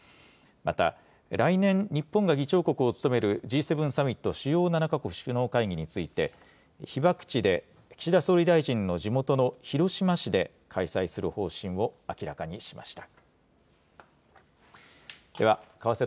また、来年、日本が議長国を務めるＧ７サミット・主要７か国首脳会議について、被爆地で岸田総理大臣の地元の広島市で開催する方針を明らかにしました。